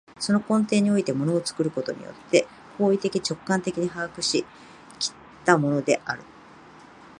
その根底において物を作ることによって行為的直観的に把握し来ったものである。